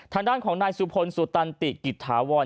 ทางด้านของนายสุพลสุตันติกิจถาวร